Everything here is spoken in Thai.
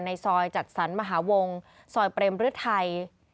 ในซอยจัดสรรมหาวงซอยเปรมฤทัย